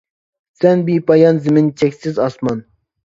سەن بىپايان زېمىن، چەكسىز ئاسمان.